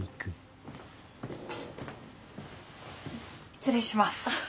失礼します。